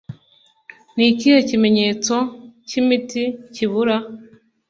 Nikihe kimenyetso Cyimiti Kibura